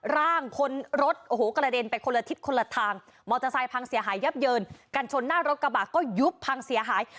ร่างคนรถโอ้โหกระเด็นไปคนละทิศคนละทางมอเตอร์ไซค์พังเสียหายยับเยินกันชนหน้ารถกระบะก็ยุบพังเสียหาย